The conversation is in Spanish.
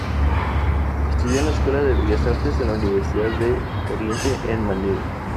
Estudió en la escuela de Bellas Artes en la Universidad de Oriente en Manila.